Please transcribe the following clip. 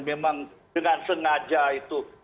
memang dengan sengaja itu